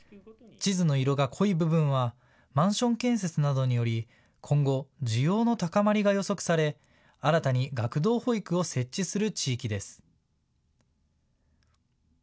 地図の色が濃い部分はマンション建設などにより今後、需要の高まりが予測され新たに学童保育を設置する地域です。